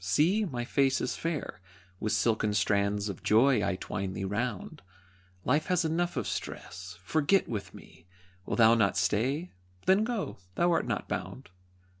See, my face is fair With silken strands of joy I twine thee round; Life has enough of stress forget with me! Wilt thou not stay? Then go, thou art not bound.